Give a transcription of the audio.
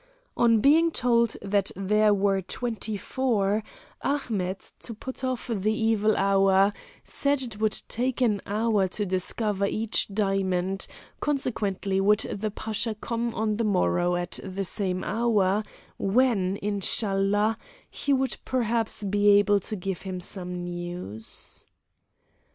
On being told that there were twenty four, Ahmet, to put off the evil hour, said it would take an hour to discover each diamond, consequently would the Pasha come on the morrow at the same hour when, Inshallah, he would perhaps be able to give him some news.